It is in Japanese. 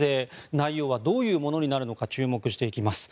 内容はどういうものになるのか注目していきます。